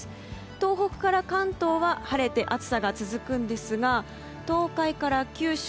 東北から関東は、晴れて暑さが続きますが東海から九州